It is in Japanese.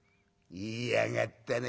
「言いやがったな